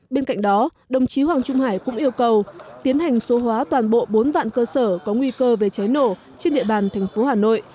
bên cạnh đó đồng chí hoàng trung hải cũng yêu cầu tiến hành số hóa toàn bộ bốn vạn cơ sở có nguy cơ về cháy nổ trên địa bàn thành phố hà nội